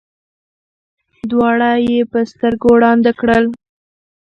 دواړه یې په سترګو ړانده کړل.